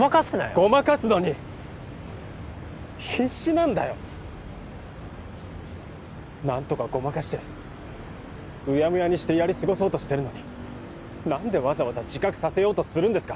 ごまかすのに必死なんだよ何とかごまかしてうやむやにしてやり過ごそうとしてるのに何でわざわざ自覚させようとするんですか